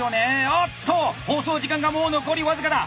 おっと放送時間がもう残り僅かだ。